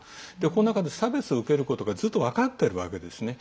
この中で差別を受けることがずっと分かってるわけですね。